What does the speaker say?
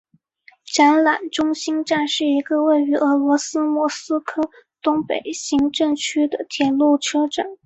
展览中心站是一个位于俄罗斯莫斯科东北行政区的铁路车站。